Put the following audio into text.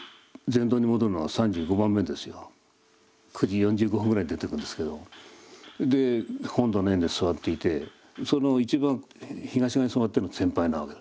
９時４５分ぐらいに出ていくんですけどで本堂の縁で座っていてその一番東側に座ってるのが先輩なわけだ。